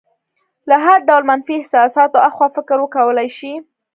له هر ډول منفي احساساتو اخوا فکر وکولی شي.